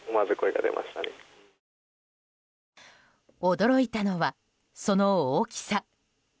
驚いたのは、その大きさ。